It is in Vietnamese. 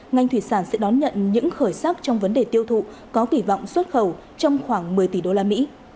ngành thủy sản sẽ đón nhận những khởi sắc trong vấn đề tiêu thụ có kỳ vọng xuất khẩu trong khoảng một mươi tỷ usd